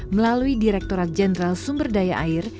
melalui direkturat jenderal sumber daya air